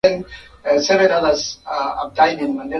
jakaya kikwete alisimulia hadithi ya familia yao